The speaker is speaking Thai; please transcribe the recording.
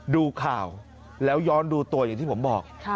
ดูข่าวแล้วย้อนดูตัวอย่างที่ผมบอก